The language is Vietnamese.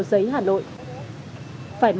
quý gió tên em